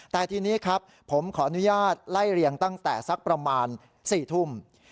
แต่ทีนี้ครับผมขออนุญาตไล่เรียงตั้งแต่สักประมาณ๔ทุ่ม